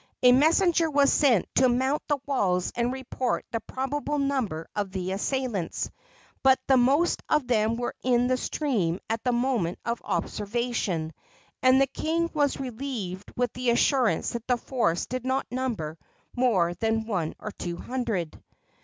A messenger was sent to mount the walls and report the probable number of the assailants; but the most of them were in the stream at the moment of observation, and the king was relieved with the assurance that the force did not number more than one or two hundred.